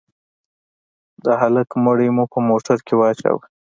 د هلك مړى مو په موټر کښې واچاوه.